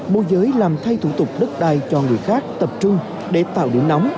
mô giới làm thay thủ tục đất đai cho người khác tập trung để tạo điểm nóng